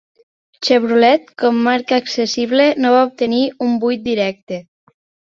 Chevrolet, com marca accessible, no va obtenir un vuit directe.